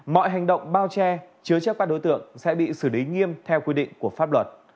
mọi hành động bao che chứa chấp các đối tượng sẽ bị xử lý nghiêm theo quy định của pháp luật